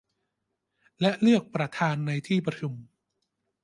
และเลือกประธานในที่ประชุม